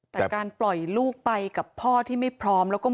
แต่การปล่อยลูกไปกับพ่อที่ไม่พร้อมแล้วก็